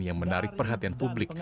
yang menarik perhatian publik